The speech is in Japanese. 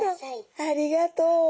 ありがとう。